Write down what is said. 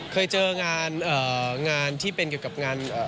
เคยเจองานที่เป็นเกี่ยวกับงาน